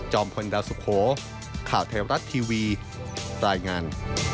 พลดาวสุโขข่าวไทยรัฐทีวีรายงาน